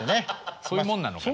そういうもんなのかな？